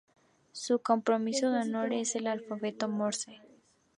Su compromiso de honor es el Alfabeto Morse.